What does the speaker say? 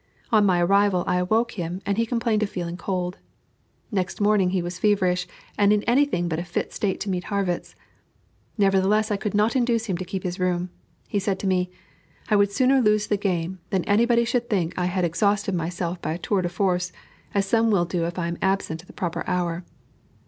On my arrival I awoke him, and he complained of feeling cold. Next morning he was feverish, and in any thing but a fit state to meet Harrwitz. Nevertheless I could not induce him to keep his room; he said to me: "I would sooner lose the game, than that anybody should think I had exhausted myself by a tour de force, as some will do if I am absent at the proper hour."